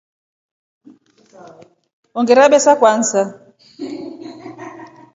Ongerabesa Kwanza.